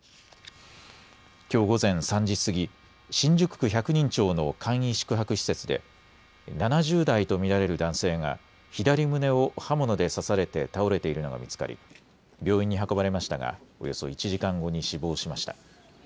きょう午前３時過ぎ、新宿区百人町の簡易宿泊施設で７０代と見られる男性が左胸を刃物で刺されて倒れているのが見つかり病院に運ばれましたがおよそ１時間後に死亡しました。